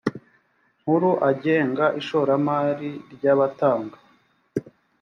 nkuru agenga ishoramari ry abatanga